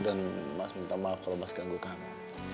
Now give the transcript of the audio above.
dan mas minta maaf kalau mas ganggu kamu